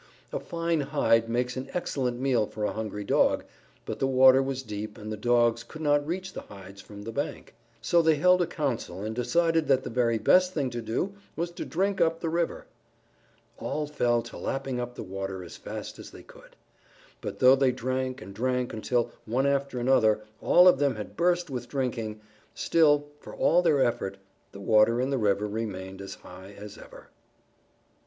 A fine hide makes an excellent meal for a hungry Dog, but the water was deep and the Dogs could not reach the hides from the bank. So they held a council and decided that the very best thing to do was to drink up the river. All fell to lapping up the water as fast as they could. But though they drank and drank until, one after another, all of them had burst with drinking, still, for all their effort, the water in the river remained as high as ever.